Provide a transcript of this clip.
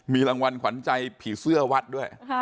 มีรางวัลขวัญใจผีเสื้อวัดด้วย